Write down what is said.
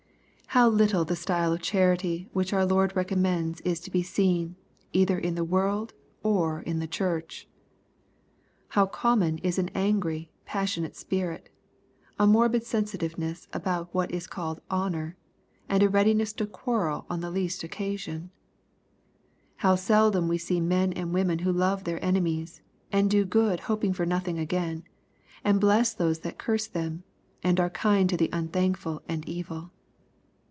How little of the style of charity which our Lord recommends is to be seen, either in the world or in the Church ! How common is an angry, passionate spirit, a morbid sensitiveness about what is called honor, and a readiness to quarrel on the least occasion I How seldom we see men and women who love their enemies, and do good hoping for nothing again, and bless those that curse them, and are kind to the unthankful and evil